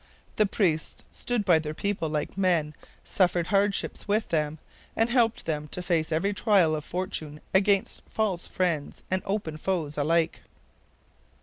The priests stood by their people like men, suffered hardship with them, and helped them to face every trial of fortune against false friends and open foes alike.